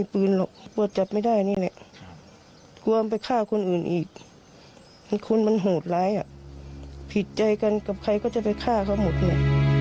ผิดใจกันกับใครก็จะไปฆ่าเขาหมดเลย